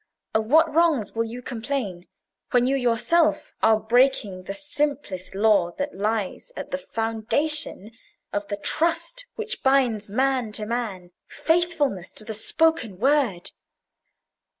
Of what wrongs will you complain, when you yourself are breaking the simplest law that lies at the foundation of the trust which binds man to man—faithfulness to the spoken word?